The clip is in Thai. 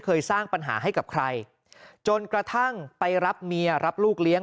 เคยสร้างปัญหาให้กับใครจนกระทั่งไปรับเมียรับลูกเลี้ยง